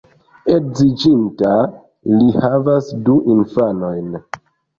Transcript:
Edziĝinta, li havas du infanojn.